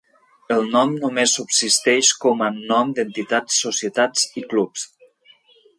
El nom només subsisteix com a nom d'entitats, societats i clubs.